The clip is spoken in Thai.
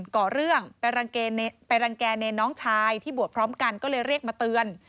ก่อเรื่องไปรังแก่เนรน้องชายที่บวชพร้อมกันก็เลยเรียกมาเตือน